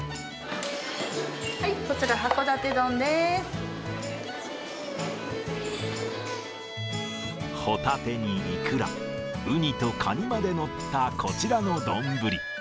はい、ホタテにイクラ、ウニとカニまで載ったこちらの丼。